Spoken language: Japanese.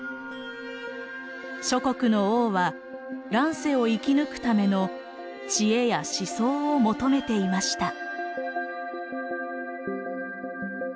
諸国の王は乱世を生き抜くための智慧や思想を求めていました。